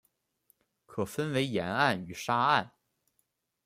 可分为岩岸与沙岸。